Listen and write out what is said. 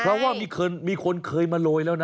เพราะว่ามีคนเคยมาโรยแล้วนะ